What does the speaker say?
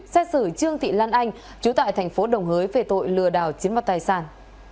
xét xử trương thị lan anh chú tại thành phố đồng hới về tội lừa đảo chiếm mặt tài sản